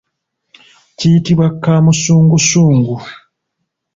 Kiyitibwa kaamusungusungu.